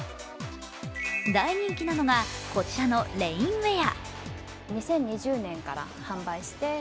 大人気なのがこちらのレインウエア。